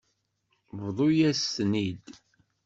Bḍut-as-ten-id.